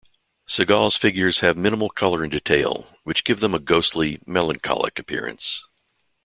Segal's figures have minimal color and detail, which give them a ghostly, melancholic appearance.